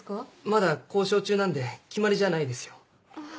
まだ交渉中なんで決まりじゃないですよ。